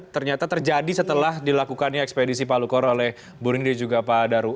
ternyata terjadi setelah dilakukannya ekspedisi pak lukor oleh burindi juga pak daru